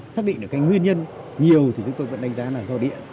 sắc định được cái nguyên nhân nhiều thì chúng tôi đánh giá là do điện